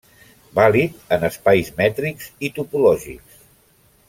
Vàlid en espais mètrics i topològics.